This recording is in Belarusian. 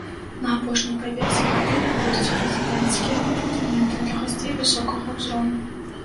На апошнім паверсе гатэля будуць прэзідэнцкія апартаменты для гасцей высокага ўзроўню.